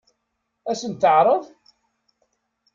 Ad sent-t-teɛṛeḍ?